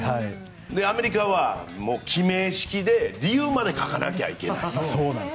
アメリカは記名式で理由まで書かなきゃいけない。